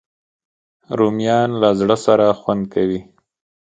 رومیان له زړه سره خوند کوي